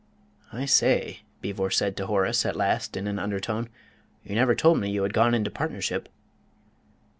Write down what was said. "I say," Beevor said to Horace, at last, in an undertone, "you never told me you had gone into partnership."